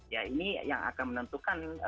ya ini yang akan menentukan